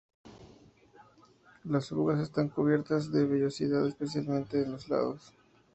Las orugas están cubiertas de vellosidad, especialmente a los lados.